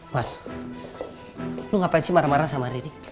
mas lu ngapain sih marah marah sama rini